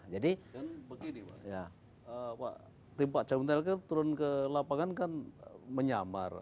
jadi begini pak tempat jamwas turun ke lapangan kan menyamar